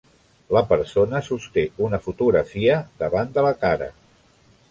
La persona sosté una fotografia davant de la cara.